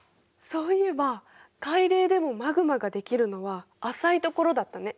そういえば海嶺でもマグマができるのは浅いところだったね。